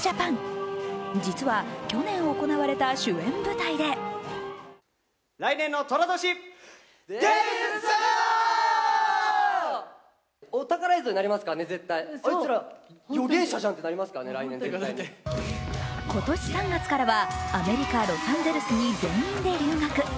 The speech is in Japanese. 実は去年行われた主演舞台で今年３月からはアメリカ・ロサンゼルスに全員で留学。